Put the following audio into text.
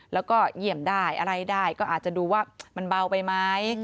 แล้วก็เยี่ยมได้อะไรได้ก็อาจจะดูว่ามันเบาไปไหม